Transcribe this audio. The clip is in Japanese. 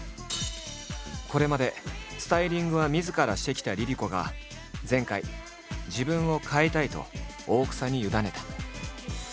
これまでスタイリングはみずからしてきたＬｉＬｉＣｏが前回自分を変えたいと大草に委ねた。